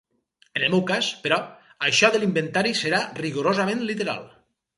En el meu cas, però, això de l'inventari serà rigorosament literal.